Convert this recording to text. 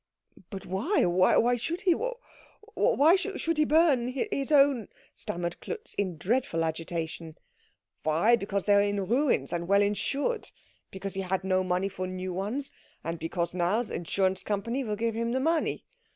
"But why? Why should he? Why should he burn his own " stammered Klutz, in dreadful agitation. "Why? Because they were in ruins, and well insured. Because he had no money for new ones; and because now the insurance company will give him the money.